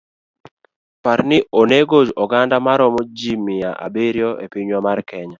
Parni onego oganda maromo ji mia abiriyo epinywa mar Kenya.